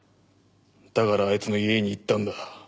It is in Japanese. だからあいつの家に行ったんだ。